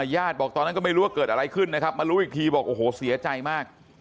ญาติบอกตอนนั้นก็ไม่รู้ว่าเกิดอะไรขึ้นนะครับมารู้อีกทีบอกโอ้โหเสียใจมาก